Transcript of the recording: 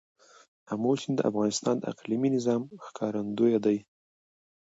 آمو سیند د افغانستان د اقلیمي نظام ښکارندوی دی.